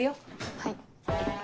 はい。